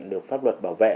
được pháp luật bảo vệ